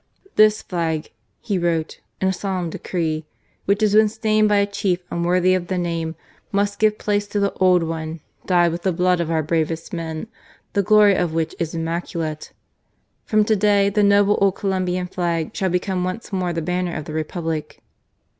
"This flag," he wrote in a solemn decree^ " which has been stained by a chief unworthy of the name, must give place to the old one, dyed with the blood of our bravest men, the glory of which is immaculate. From to day, the noble old Colombian flag shall become once more the banner of the Republic."